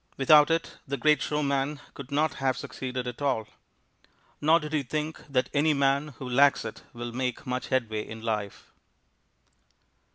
Without it the great showman could not have succeeded at all. Nor did he think that any man who lacks it will make much headway in life.